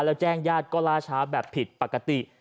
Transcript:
แล้วแจ้งญาติก็ล่าช้าแบบผิดปกติ